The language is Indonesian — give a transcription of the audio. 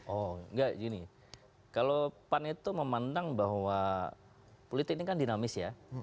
oh enggak gini kalau pan itu memandang bahwa politik ini kan dinamis ya